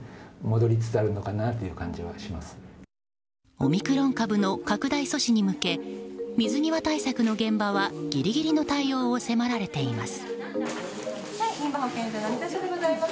オミクロン株の拡大阻止に向け水際対策の現場はギリギリの対応を迫られています。